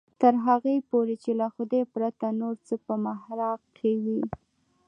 تر هغې پورې چې له خدای پرته نور څه په محراق کې وي.